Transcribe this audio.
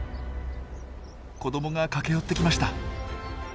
子どもが駆け寄ってきました。